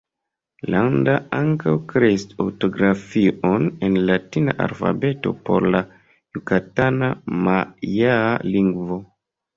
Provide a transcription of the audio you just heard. Landa ankaŭ kreis ortografion en latina alfabeto por la jukatana majaa lingvo.